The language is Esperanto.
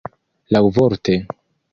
laŭvorte